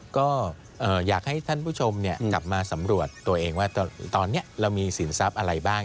ก็อยากให้ท่านผู้ชมกลับมาสำรวจตัวเองว่าตอนนี้เรามีสินทรัพย์อะไรบ้าง